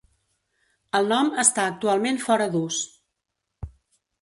El nom està actualment fora d'ús.